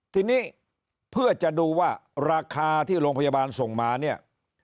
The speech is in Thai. ทีนี้เพื่อจะดูว่าราคาที่โรงพยาบาลส่งมาเนี่ย